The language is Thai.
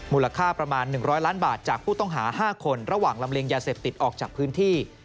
มูลค่าประมาณ๑๐๐ล้านบาทจากผู้ต้องหา๕คนระหว่างลำเลียงยาเสพติดออกจากพื้นที่